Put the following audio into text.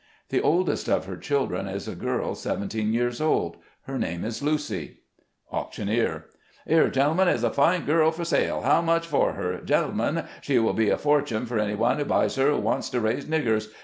The oldest of her chil dren is a girl seventeen years old — her name, Lucy. Auctioneer —" Here, gentlemen, is a fine girl for sale : how much for her ? Gentlemen, she will be a fortune for anyone who buys her who wants to raise niggers.